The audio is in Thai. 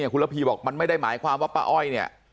คุณระพีบอกมันไม่ได้หมายความว่าป้าอ้อยเนี่ย